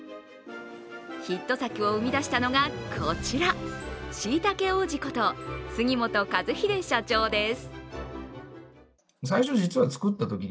ヒット作を生み出したのがこちらしいたけ王子こと杉本和英社長です。